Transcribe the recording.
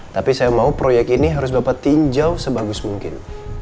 tapi saya mau proyek ini harus bapak tinjau sebagus mungkin